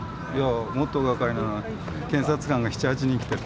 もっと大がかりなのは検察官が７８人来てる。